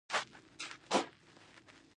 د زرو ښخ شوي لوښي وموندل شول.